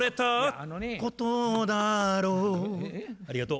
ありがとう。